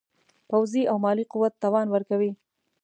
پوځي او مالي قوت توان ورکوي.